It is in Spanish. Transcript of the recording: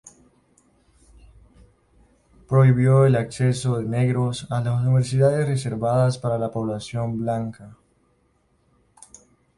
Prohibió el acceso de negros a las universidades reservadas para la población blanca.